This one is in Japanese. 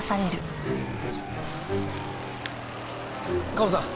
カモさん。